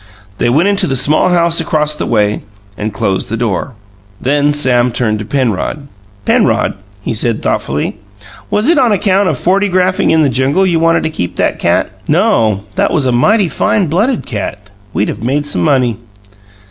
They went into the small house across the way and closed the door. Then Sam turned to Penrod. "Penrod," he said thoughtfully, "was it on account of fortygraphing in the jungle you wanted to keep that cat?" "No; that was a mighty fine blooded cat. We'd of made some money."